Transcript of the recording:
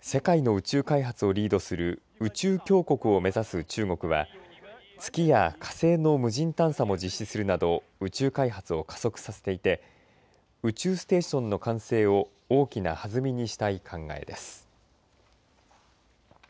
世界の宇宙開発をリードする宇宙強国を目指す中国は月や火星の無人探査も実施するなど宇宙開発を加速させていて宇宙ステーションの完成を大きな弾みにしたい考えです。